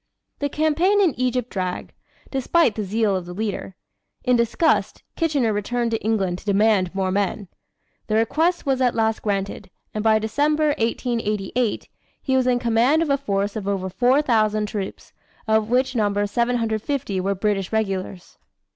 The campaign in Egypt dragged, despite the zeal of the leader. In disgust, Kitchener returned to England to demand more men. The request was at last granted, and by December, 1888, he was in command of a force of over 4,000 troops, of which number 750 were British regulars!